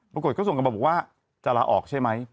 ปรากฏก็ส่งกันมาบอกว่าจะลาออกใช่ไหม